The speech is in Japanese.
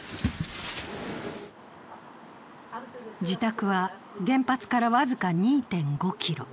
自宅は、原発から僅か２．５ｋｍ。